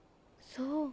そう。